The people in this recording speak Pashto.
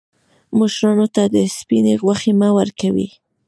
مشرانو ته سپیني غوښي مه ورکوئ.